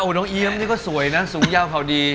น้องเอี๊ยมนี่ก็สวยนะสูงยาวเผาดี